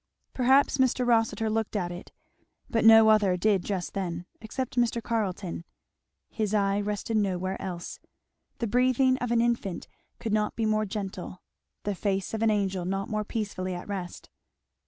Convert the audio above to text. Perhaps Mr. Rossitur looked at it; but no other did just then, except Mr. Carleton. His eye rested nowhere else. The breathing of an infant could not be more gentle; the face of an angel not more peacefully at rest.